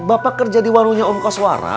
bapak kerja di warungnya um koswara